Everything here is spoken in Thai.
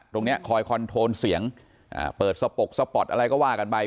คอยคอนโทนเสียงเปิดสปกสปอร์ตอะไรก็ว่ากันไป